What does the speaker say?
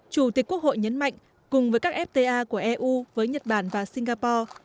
chủ tịch quốc hội nhấn mạnh cùng với các fta của eu với nhật bản và singapore